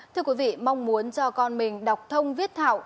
thưa quý vị mong muốn cho con mình đọc thông viết thảo